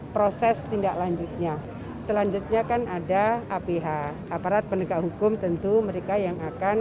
proses tindak lanjutnya selanjutnya kan ada aph aparat penegak hukum tentu mereka yang akan